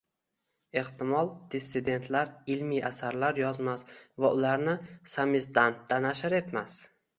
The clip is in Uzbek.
Ehtimol, “dissidentlar” ilmiy asarlar yozmas va ularni “samizdat”da nashr etmas?